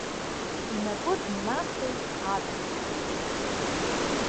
Инапы днахеит аӡӷаб хәыҷы.